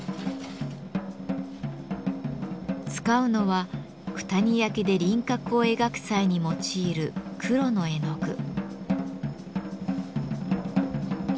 使うのは九谷焼で輪郭を描く際に用いる黒の絵の具。